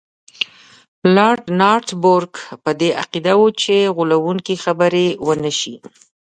لارډ نارت بروک په دې عقیده وو چې غولونکي خبرې ونه شي.